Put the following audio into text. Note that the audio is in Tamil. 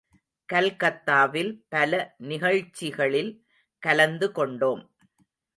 கல்கத்தாவில் பல நிகழ்ச்சிகளில் கலந்து கொண்டோம்.